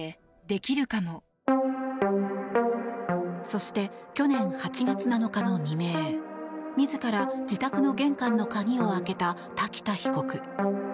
そして、去年８月７日の未明自ら自宅の玄関の鍵を開けた瀧田被告。